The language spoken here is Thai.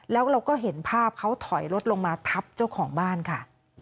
แล้วเราก็เห็นภาพเขาถอยรถลงมาทับเจ้าของบ้านค่ะ